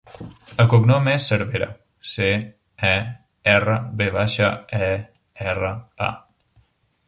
El cognom és Cervera: ce, e, erra, ve baixa, e, erra, a.